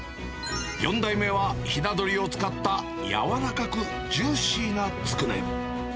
４代目は、ひな鶏を使った柔らかくジューシーなつくね。